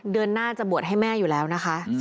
เดือนหน้าจะบวชให้แม่อยู่แล้วนะคะ